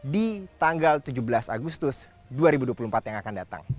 di tanggal tujuh belas agustus dua ribu dua puluh empat yang akan datang